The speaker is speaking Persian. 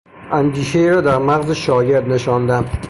اندیشهای را در مغز شاگرد نشاندن